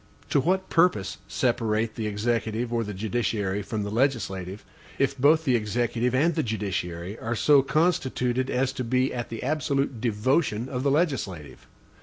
To what purpose separate the executive or the judiciary from the legislative, if both the executive and the judiciary are so constituted as to be at the absolute devotion of the legislative?